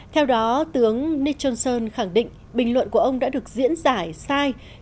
theo đó tướng nicholson khẳng định bình luận của ông đã được diễn giải sai khi chỉ thuộc về một vấn đề